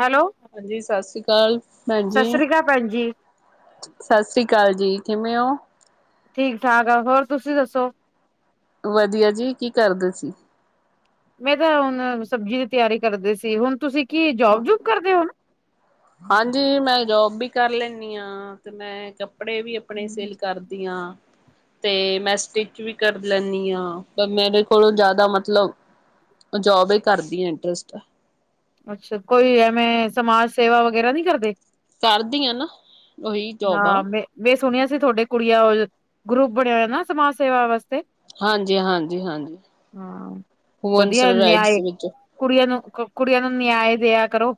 Hello ਹਾਂਜੀ ਸਤਿ ਸ੍ਰੀ ਅਕਾਲ ਭੈਣ ਸਤਿ ਜੀ ਸ੍ਰੀ ਅਕਾਲ ਭੈਣ ਜੀ ਸਤਿ ਸ੍ਰੀ ਅਕਾਲ ਜੀ ਕਿਵੇਂ ਹੋ ਠੀਕ ਠਾਕ ਆ ਹੋਰ ਤੁਸੀਂ ਦੱਸੋ ਵਧੀਆ ਜੀ ਕੀ ਕਰਦੇ ਸੀ ਮੈਂ ਤਾਂ ਹੁਣ ਸਬਜ਼ੀ ਦੀ ਤਿਆਰੀ ਕਰਦੀ ਸੀ ਹੁਣ ਤੁਸੀਂ ਕੀ ਜੋਬ ਜੂਬ ਕਰਦੇ ਹੋ ਹਾਂਜੀ ਮੈਂ ਜੋਬ ਵੀ ਕਰ ਲੈਦੀ ਹਾਂ ਤੇ ਮੈਂ ਕੱਪੜੇ ਵੀ ਆਪਣੇ ਸਿਲ ਕਰਦੀਆਂ ਤੇ ਮੈਂ ਸਟਿਚ ਵੀ ਕਰ ਲੈਂਦੀ ਹਾਂ ਪਰ ਮੇਰੇ ਕੋਲੋਂ ਜ਼ਿਆਦਾ ਮਤਲਬ ਜੋਬ ਹੀ ਕਰਦੀ ਆ ਇੰਟਰਸਟਹੇ ਅੱਛਾ ਕੋਈ ਐਵੇਂ ਸਮਾਜ ਸੇਵਾ ਵਗੈਰਾ ਨਹੀ ਕਰਦੇ ਕਰਦੀਆਂ ਨਾ ਉਹੀ ਜੋਬਾਂ ਬੇ ਸੁਣਿਆ ਸੀ ਤੁਹਾਡੇ ਕੁੜੀਆਂ ਗਰੁੱਪ ਬਣਿਆ ਹੋਇਆ ਨਾ ਸਮਾਜ ਸੇਵਾ ਵਾਸਤੇ ਹਾਂਜੀ -ਹਾਂਜੀ -ਹਾਂਜੀ ਹਾਂ ਹੋਮ ਵਧੀਆ ਰਾਈਡਸ ਨਿਆਏ ਵਿੱਚ ਕੁੜੀਆਂ ਨੂੰ ਕੁੜੀਆਂ ਨੂੰ ਨਿਆਇ ਦਿਆ ਕਰੋ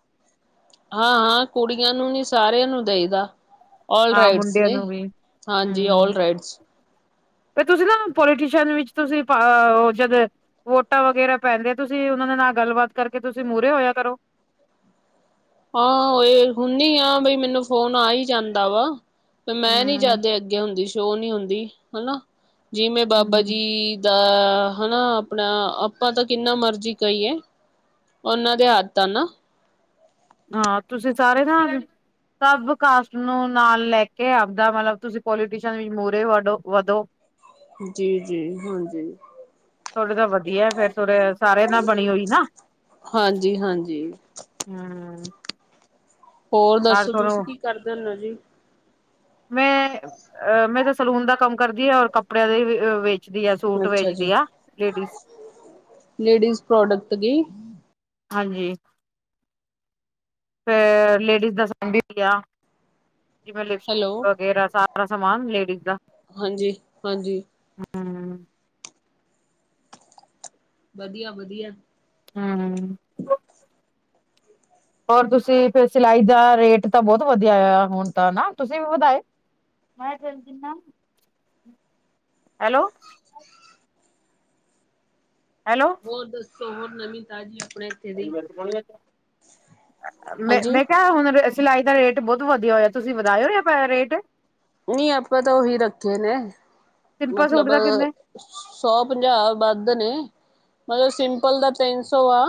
ਹਾਂ ਹਾਂ ਕੁੜੀਆਂ ਨੂੰ ਨੀ ਸਾਰਿਆਂ ਨੂੰ ਦੇਈਦਾ ਆਲ ਹਾਂ ਰਾਈਡਜ਼ ਮੁੰਡਿਆਂ ਨੇ ਨੂੰ ਵੀ ਹਾਂਜੀ ਆਲ ਰਾਈਡਜ਼ ਫੇਰ ਤੁਸੀਂ ਨਾ ਪੋਲੀਟੀਸ਼ਨ ਵਿੱਚ ਤੁਸੀਂ ਉਹ ਜਦ ਵੋਟਾਂ ਵਗੈਰਾ ਪੈਂਦੇ ਆ ਤੁਸੀਂ ਉਹਨਾਂ ਦੇ ਨਾਲ ਗੱਲਬਾਤ ਕਰਕੇ ਤੁਸੀਂ ਮੂਹਰੇ ਹੋਇਆ ਕਰੋ। ਹਾਂ, ਓਏ ਹੁੰਦੀ ਆ ਬਈ ਮੈਨੂੰ ਫੋਨ ਆ ਹੀ ਜਾਂਦਾ ਵਾ। ਮੈਂ ਨੀ ਹੂੰ, ਜਾਂਦੇ ਅੱਗੇ ਹੁੰਦੀ ਸ਼ੋਅ ਨੀ ਹੁੰਦੀ। ਹਨਾ। ਜਿਵੇਂ ਬਾਬਾ ਹੂੰ ਜੀ ਦਾ ਹਨਾ। ਆਪਣਾ ਆਪਾਂ ਤਾਂ ਕਿੰਨਾ ਮਰਜੀ ਕਹੀਏ। ਉਹਨਾਂ ਦੇ ਹੱਥ ਆ ਨਾ। ਹਾਂ, ਤੁਸੀਂ ਸਾਰੇ ਜਾ ਸਭ ਕਾਸਟ ਨੂੰ ਨਾਲ ਲੈ ਕੇ ਆਪਦਾ ਮਤਲਬ ਤੁਸੀਂ ਪੋਲੀਟੀਸ਼ਨ ਮੂਹਰੇ ਵਡੋ ਵਧੋ। ਜੀ ਜੀ ਹਾਂਜੀ। ਥਹਾਡੇ ਤਾਂ ਵਧੀਆ ਫੇਰ ਤੁਰ ਸਾਰੇ ਨਾਲ ਬਣੀ ਹੋਈ ਨਾ। ਹਾਂਜੀ ਹਾਂਜੀ ਹਮ। ਹੋਰ ਦੱਸੋ ਤੁਸੀਂ ਕੀ ਕਰਦੇ ਹੁਣੇ ਓ ਜੀ? ਮੈਂ ਅ ਮੈਂ ਤਾਂ ਸਲੂਨ ਦਾ ਕੰਮ ਕਰਦੀ ਆ ਔਰ ਕੱਪੜਿਆਂ ਦੇ ਵੇ। ਵੇਚਦੀ ਆ ਸੂਟ ਅੱਛਾ ਜੀ ਵੇਚਦੀ ਆ। ਲੇਡੀਜ਼ ਲੇਡੀਜ਼ ਪ੍ਰੋਡਕਟ ਦੀ ਹਾਂਜੀ। ਫੇਰ ਲੇਡੀਜ਼ ਦਾ ਵੀ ਹੋਗਾ। ਜਿਵੇਂ ਲਿਸਟ ਹੈਲੋ ਵਗੈਰਾ ਸਾਰੇ ਸਾਰਾ ਸਮਾਨ ਲੇਡੀਜ਼ ਦਾ। ਹਾਂਜੀ- ਹਾਂਜੀ। ਹੂੰ, ਵਧੀਆ- ਵਧੀਆ। ਹੂ- ਹੂ। ਰ ਤੁਸੀਂ ਫਿਰ ਸਿਲਾਈ ਦਾ ਰੇਟ ਤਾਂ ਬਹੁਤ ਵਧਿਆ ਆ ਹੁਣ ਤਾਂ ਨਾ ਤੁਸੀਂ ਵੀ ਵਧਾਏ। ਮੈਂ ਫਿਰ ਦੇਨਾ। ਹੈਲੋ, ਹੈਲੋ, ਹੋਰ ਦੱਸੋ ਹੋਰ ਨਵੀਂ ਤਾਜ਼ੀ ਆਪਣੇ ਦੀ ਮੈਂ, ਹਾਂਜੀ। ਮੈਂ ਕਿਹਾ, ਹੁਣ ਸਿਲਾਈ ਦਾ ਰੇਟ ਬਹੁਤ ਵਧੀਆ ਹੋਇਆ। ਤੁਸੀਂ ਵਧਾਇਓ ਯ ਰੇਟ। ਨਹੀਂ, ਆਪਾਂ ਤਾਂ ਉਹੀ ਰੱਖੇ ਨੇ, ਸਿੰਪਲ ਸੂਟ ਮਤਲਬ ਦਾ ਕਿੰਨੇ ਸੌ ਪੰਜਾਹ ਵੱਧ ਨੇ। ਮਤਲਬ ਸਿੰਪਲ ਦਾ ਤਿੰਨ ਸੌ ਆ।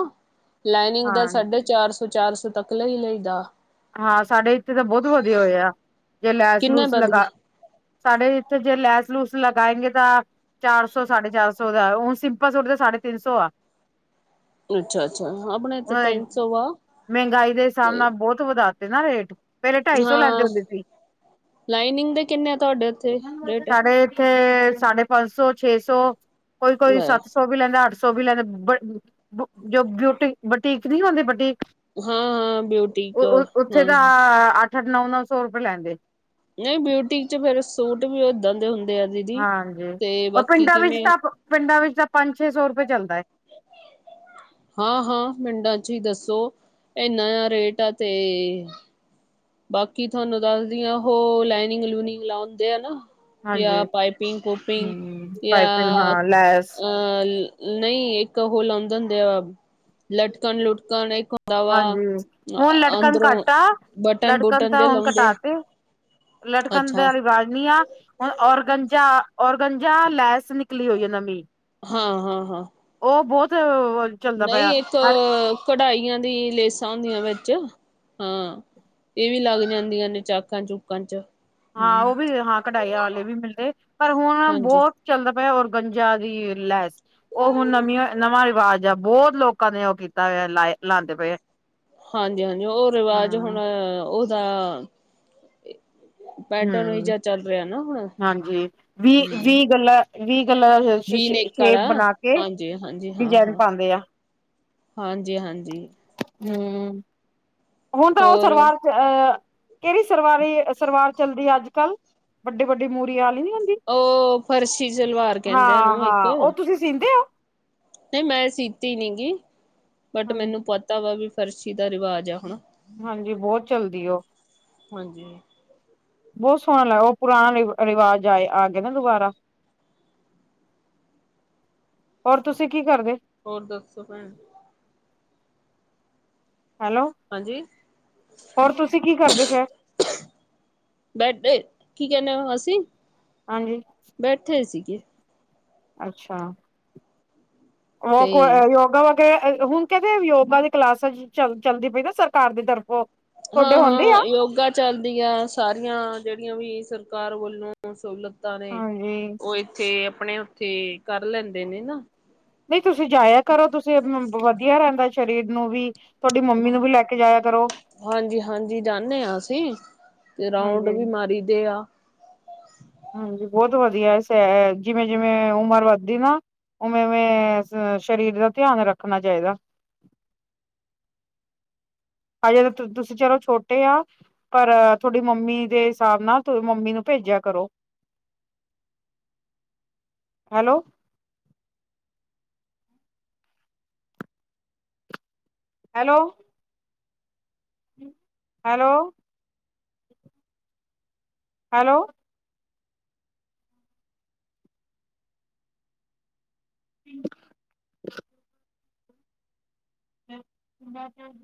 ਲਾਈਨਿੰਗ ਹਾਂ ਦਾ ਸਾਢੇ ਚਾਰ ਸੌ, ਚਾਰ ਸੌ ਤੱਕ ਲਈ ਲਈਦਾ। ਹਾਂ, ਸਾਡੇ ਇੱਥੇ ਤਾਂ ਬਹੁਤ ਵਧੀਆ ਹੋਏ ਆ। ਜੇ ਲੈਸ- ਕਿੰਨੇ ਲੂਸ ਵੱਧ ਲਗਾ ਗਏ ਸਾਡੇ ਇੱਥੇ ਜੇ ਲੈਸ- ਲੂਸ ਲਗਾਏਗੇ ਤਾਂ ਚਾਰ ਸੌ ਸਾਢੇ ਚਾਰ ਸੌ ਦਾ ਉਹ ਸਿੰਪਲ ਸੂਟ ਦਾ ਸਾਢੇ ਤਿੰਨ ਸੌ ਆ। ਅੱਛਾ ਅੱਛਾ ਆਪਣੇ ਤਾਂ ਹਾਂ। ਉਹ ਤਿੰਨ ਸੌ ਆ ਮਹਿੰਗਾਈ ਦੇ ਹਿਸਾਬ ਤੇ ਨਾਲ ਬਹੁਤ ਤੋ ਵਧਾਤੇ ਨਾ ਰੇਟ। ਪਹਿਲੇ ਢਾਈ ਸੌ ਲੈਂਦੇ ਹਾਂ ਹੁੰਦੇ ਸੀ। ਲਾਈਨਿੰਗ ਦੇ ਕਿੰਨੇ ਤੁਹਾਡੇ ਉੱਥੇ ਰੇਟ ਸਾਡੇ ਇੱਥੇ ਸਾਢੇ ਪੰਜ ਸੌ, ਛੇ ਸੌ ਕੋਈ- ਕੋਈ ਹਾਂ ਸੱਤ ਸ ਸੌ ਵੀ ਲੈਂਦਾ। ਅੱਠ ਸੌ ਵੀ ਲੈਂਦੇ ਜੋ ਬਿਊਟੀ- ਬੁਟੀਕ ਨੀ ਲਾਉਦੇ ਬਟੀਕ। ਹਾਂ- ਹਾਂ ਬਊਟੀ ਬਿਊਟੀਕ ਉਹ ਉੱਥੇ ਤਾਂ ਅੱਠ- ਅੱਠ, ਨੌ- ਨੌ ਸੌ ਰੁਪਏ ਲੈਂਦੇ। ਨਹੀਂ, ਬਿਊਟੀ ਚ' ਫੇਰ ਸੂਟ ਵੀ ਏਦਾਂ ਦੇ ਹੁੰਦੇ ਆ। ਦੀਦੀ ਹਾਂਜੀ ਤੇ ਔਰ ਬਾਕੀ ਪਿੰਡਾਂ ਵਿੱਚ ਕਿਵੇਂ ਆ। ਤਾਂ ਪਿੰਡਾਂ ਵਿੱਚ ਤਾਂ ਪੰਜ- ਛੇ ਸੌ ਰੁਪਏ ਚੱਲਦਾ ਹੈ। ਹਾਂ -ਹਾਂ ਪਿੰਡਾਂ 'ਚ ਹੀ ਦੱਸੋ ਇੰਨਾ ਜ ਰੇਟ ਆ। ਤੇ ਬਾਕੀ ਤੁਹਾਨੂੰ ਦੱਸਦੀ ਆ ਉਹ ਲਾਈਨਿੰਗ- ਲੂਨਿੰਗ ਲਾਉਂਦੇ ਆ ਨਾ। ਜਾਂ ਹਾਂਜੀ ਪਾਈਪਿੰਗ- ਕੋਪਿੰਗ ਹਮ ਪਾਈਪਿੰਨ ਜਾਂ ਹਾਂ ਲੈਸ ਅ ਨਹੀਂ, ਇੱਕ ਉਹ ਲਾਉਂਦੇ ਹੁੰਦੇ ਆ। ਲਟਕਣ- ਲੁਟਕਣ ਇੱਕ ਹੁੰਦਾ ਵਾ ਹਾਂਜੀ। ਹੁਣ ਲਟਕਣ ਨੂੰ ਅੰਦਰੋਂ ਘੱਟ ਆ। ਬਟਨ ਲਟਕਣ ਬੁਟਨ ਤਾਂ ਜੇ ਹੁਣ ਲਾਉਂਦੇ ਕਟਾ ਤੇ। ਲਟਕਣ ਅੱਛਾ ਦਾਰੀ ਗੜਨੀ ਆ ਹੁਣ ਔਰਗੰਜਾ, ਔਰਗੰਜਾ ਲੈਸ ਨਿਕਲੀ ਹੋਈ ਹੈ ਨਵੀਂ। ਹਾਂ- ਹਾਂ- ਹਾਂ। ਉਹ ਬਹੁਤ ਚੱਲਦਾ ਪਿਆ ਨਹੀਂ, ਇੱਕ ਹਰ ਕਢਾਈਆਂ ਦੀ ਲੇਸਾਂ ਹੁੰਦੀਆਂ ਵਿੱਚ ਹਾਂ। ਇਹ ਵੀ ਲੱਗ ਜਾਂਦੀਆਂ ਨੇ, ਚਾਕਾਂ-ਚੂਕਾਂ'ਚ। ਹਾਂ ਉਹ ਵੀ, ਹਾਂ ਕਢਾਈਆਂ ਵਾਲੇ ਵੀ ਮਿਲਦੇ, ਪਰ, ਹੁਣ ਹਾਂਜੀ ਬਹੁਤ ਚੱਲਦਾ ਪਿਆ, ਔਰਗੰਜਾ ਦੀ ਲੈਸ। ਉਹ ਹੁਣ ਨਵੀਆਂ, ਨਵਾਂ ਰਿਵਾਜ ਜਾਂ ਬਹੁਤ ਲੋਕਾਂ ਨੇ ਉਹ ਕੀਤਾ ਹੋਇਆ, ਲਾ, ਲਾਂਦੇ ਪਏ। ਹਾਂਜੀ-ਹਾਂਜੀ, ਉਹ ਰਿਵਾਜ਼ ਹੁਣ, ਹਮ ਉਹਦਾ ਪੈਟਰਨ ਹੀ ਹੂੰ, ਜਿਹਾ ਚੱਲ ਰਿਹਾ ਨਾ ਹੁਣ ਹਾਂਜੀ ਵੀ-ਵੀ, ਗੱਲਾ, ਵੀਹ ਗੱਲਾ ਵੀ ਸਸਸ਼ੇ, ਨੇਕ ਸ਼ੇਪ ਆਲਾ ਬਣਾਕੇ ਹਾਂਜੀ ਡਿਜਾਇਨ ਪਾਂਦੇ ਆ। ਹਾਂਜੀ-ਹਾਂਜੀ। ਹੂੰ, ਹੁਣ ਤਾਂ ਉਹ ਹੋਰ ਸਰਵਾਰ ਅਹ ਕਿਹਰੀ ਸਰਵਾਰੀ, ਸਰਵਾਰ ਚੱਲਦੀ ਅੱਜ-ਕੱਲ? ਵੱਡੇ-ਵੱਡੀ ਮੂਹਰੀ ਵਾਲੀ ਨੀ ਹੁੰਦੀ। ਉਹ, ਫਰਸ਼ੀ ਸ਼ਲਵਾਰ ਕਹਿੰਦੇ ਆ, ਹਾਂ ਓਹਨੂੰ ਇੱਕ। ਹਾਂ ਉਹ ਤੁਸੀਂ ਸੀਂਦੇ ਹੋ? ਨਹੀਂ ਮੈਂ ਸੀਤੀ ਨੀਂ ਗੀ, ਬਟ ਹੋ ਮੈਨੂੰ ਪਤਾ ਵਾ ਵੀ, ਫਰਸ਼ੀ ਦਾ ਰਿਵਾਜ ਆ ਹੁਣ। ਹਾਂਜੀ, ਬਹੁਤ ਚਲਦੀ, ਉਹ। ਹਾਂਜੀ। ਬਹੁਤ ਸੋਹਣਾ ਲੱਗ ਉਹ ਪੁਰਾਣੇ ਰਿਵਾਜ ਆਏ, ਆ ਗਏ ਨਾ ਦੁਬਾਰਾ। ਹੋਰ, ਤੁਸੀਂ ਕੀ ਕਰਦੇ? ਹੋਰ, ਦੱਸੋ ਭੈਣ? ਹੈਲੋ ਹਾਂਜੀ! ਹੋਰ ਤੁਸੀਂ ਕੀ ਕਰਦੇ ਫੇਰ ਬੈਠੇ, ਕੀ ਕਹਿੰਨੇ ਓਂ? ਅਸੀਂ। ਹਾਂਜੀ। ਬੈਠੇ ਸੀਗੇ। ਅੱਛਾ, ਉਹ, ਤੇ ਕੋ ਯੋਗਾ ਵਾ ਤੇ, ਹੁਣ ਕਹਿੰਦੇ ਯੋਗਾ ਦੀ ਕਲਾਸ'ਚ ਚੱਲਦੀ ਪਈ ਨਾ, ਸਰਕਾਰ ਦੀ ਤਰਫੋਂ। ਤੁਹਾਡੇ ਹੁੰਦੇ ਆ ਹਾਂ-ਹਾਂ, ਯੋਗਾ ਚੱਲਦੀ ਆ, ਸਾਰੀਆਂ ਜਿਹੜੀਆਂ ਵੀ ਸਰਕਾਰ ਵੱਲੋਂ ਹੁਣ ਸਹੂਲਤਾਂ ਨੇ, ਹਾਂਜੀ ਉਹ ਇੱਥੇ, ਆਪਣੇ ਉੱਥੇ ਕਰ ਲੈਂਦੇ ਨੇ ਨਾ। ਨਹੀਂ ਤੁਸੀਂ ਜਾਇਆ ਕਰੋ, ਤੁਸੀਂ ਵਧੀਆ ਰਹਿੰਦਾ ਸਰੀਰ ਨੂੰ ਵੀ। ਮੰਮੀ ਨੂੰ ਵੀ ਲੈਕੇ ਜਾਇਆ ਕਰੋ ਹਾਂਜੀ-ਹਾਂਜੀ, ਜਾਂਨੇ ਆਂ ਅਸੀ, ਤੇ ਰਾਊਂਂਡ ਹਾਂਜੀ ਵੀ ਮਾਰੀਦੇ ਆ। ਹਾਂਜੀ, ਬਹੁਤ ਵਧੀਆ ਸੈਰ। ਜਿਵੇਂ-ਜਿਵੇਂ ਉਮਰ ਵੱਧਦੀ ਨਾ ਉਵੇਂ-ਉਂਵੇਂ ਸਰੀਰ ਦਾ ਧਿਆਨ ਰੱਖਣਾ ਚਾਹੀਦਾ। ਹਜੇ ਤਾਂ ਤਤ ਤੁਸੀਂ ਚਲੋ ਛੋਟੇ ਆਂ ਪਰ, ਥੋਡੀ ਮੰਮੀ ਦੇ ਹਿਸਾਬ ਨਾਲ, ਮੰਮੀ ਨੂੰ ਭੇਜਿਆ ਕਰੋ। ਹ। [inaudible] ਹੈਲੋ। ਹੈਲੋ! ਹੈਲੋ! ਹੈਲੋ! [inaudible] ਫ। [inaudible]